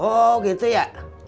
oh gitu ya